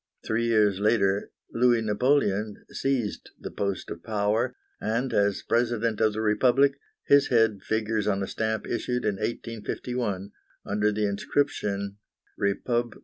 Three years later Louis Napoleon seized the post of power, and, as President of the Republic, his head figures on a stamp issued in 1851, under the inscription "REPUB.